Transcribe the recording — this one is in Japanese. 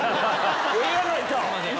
ええやないか！